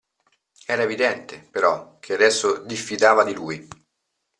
Era evidente, però, che adesso diffidava di lui.